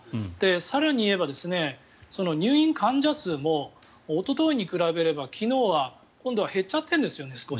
更に言えば、入院患者数もおとといに比べれば昨日は今度は減っちゃってるんですよね。